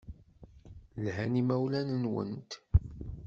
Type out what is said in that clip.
Lhan yimawlan-nwent.